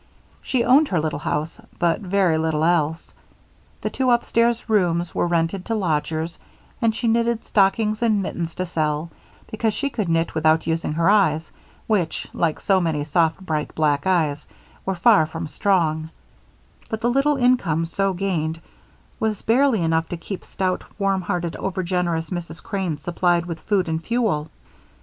She owned her little home, but very little else. The two upstairs rooms were rented to lodgers, and she knitted stockings and mittens to sell because she could knit without using her eyes, which, like so many soft, bright, black eyes, were far from strong; but the little income so gained was barely enough to keep stout, warm hearted, overgenerous Mrs. Crane supplied with food and fuel.